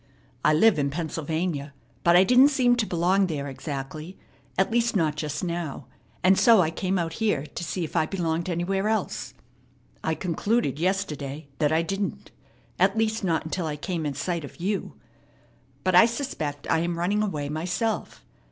I live in Pennsylvania, but I didn't seem to belong there exactly, at least not just now, and so I came out here to see if I belonged anywhere else. I concluded yesterday that I didn't. At least, not until I came in sight of you. But I suspect I am running away myself.